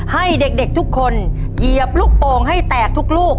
ให้เด็กทุกคนเหยียบลูกโป่งให้แตกทุกลูก